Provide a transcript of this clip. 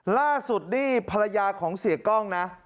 ล่าสุดนี่ภรรยาของเสียกล้องนะ